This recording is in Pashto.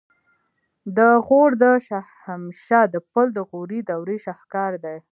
د غور د شاهمشه د پل د غوري دورې شاهکار دی